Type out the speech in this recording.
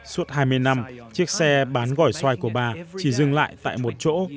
suốt hai mươi năm chiếc xe bán gỏi xoài của bà chỉ dừng lại tại một chỗ